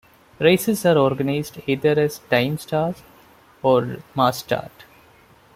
Races are organized either as "timed starts," or "mass start.